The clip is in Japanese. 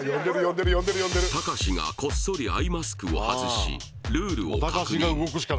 たかしがこっそりアイマスクを外しルールを確認